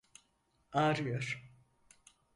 Ağrıyor.